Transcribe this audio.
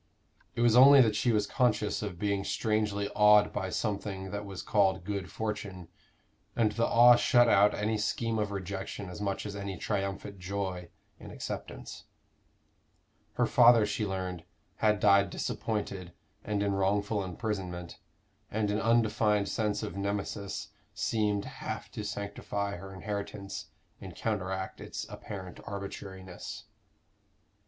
It was only that she was conscious of being strangely awed by something that was called good fortune; and the awe shut out any scheme of rejection as much as any triumphant joy in acceptance. Her father, she learned, had died disappointed and in wrongful imprisonment, and an undefined sense of Nemesis seemed half to sanctify her inheritance, and counteract its apparent arbitrariness.